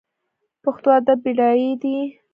پښتو ادب بډای دی